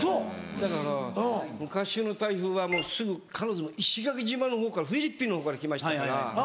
だから昔の台風はすぐ必ず石垣島のほうからフィリピンのほうから来ましたから。